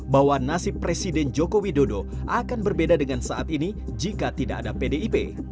bahwa nasib presiden joko widodo akan berbeda dengan saat ini jika tidak ada pdip